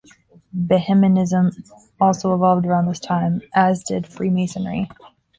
Behmenism also evolved around this time, as did Freemasonry.